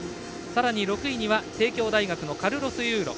さらに６位には帝京大学のカルロス・ユーロ。